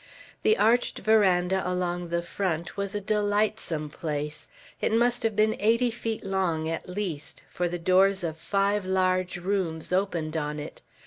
The arched veranda along the front was a delightsome place. It must have been eighty feet long, at least, for the doors of five large rooms opened on it.